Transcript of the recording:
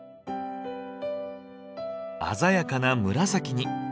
鮮やかな紫に。